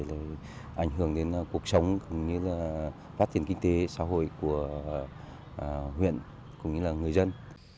để không ảnh hưởng đến cuộc sống cũng như phát triển kinh tế xã hội của huyện cũng như là người dân